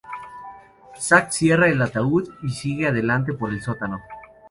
Zack cierra el ataúd y sigue adelante por el sótano.